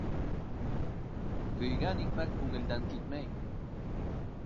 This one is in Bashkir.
Көйгән икмәк күңелдән китмәй.